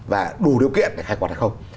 và đủ điều kiện để khai quật hay không